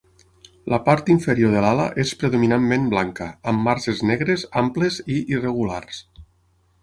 La part inferior de l'ala és predominantment blanca amb marges negres amples i irregulars.